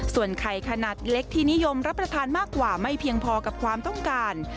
ส่วนไข่ขนาดเล็กที่นิยมรับประทานมากกว่าไม่เพียงพอกับความต้องการ